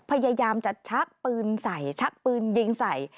พยายามจะชักปืนใส่ชักปืนยิงใส่